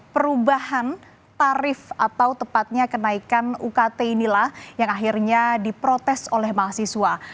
perubahan tarif atau tepatnya kenaikan ukt inilah yang akhirnya diprotes oleh mahasiswa